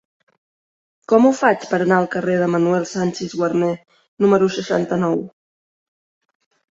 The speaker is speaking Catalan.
Com ho faig per anar al carrer de Manuel Sanchis Guarner número seixanta-nou?